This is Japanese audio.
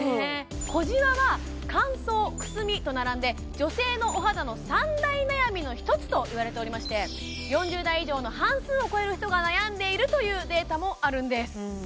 小じわは乾燥くすみと並んで女性のお肌の３大悩みの１つといわれておりまして４０代以上の半数を超える人が悩んでいるというデータもあるんです